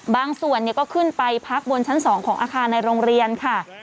บางส่วนก็ขึ้นไปพักบนชั้น๒ของอาคารในโรงเรียนค่ะ